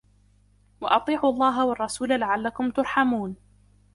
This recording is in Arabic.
وَأَطِيعُوا اللَّهَ وَالرَّسُولَ لَعَلَّكُمْ تُرْحَمُونَ